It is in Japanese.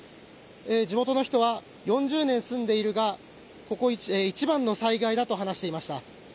地元の人は４０年住んでいるがここ一番の災害だと話していました。